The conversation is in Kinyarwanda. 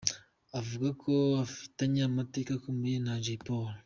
Avuga ko afitanye amateka akomeye na Jay Polly.